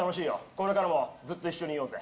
これからもずっと一緒にいようぜ。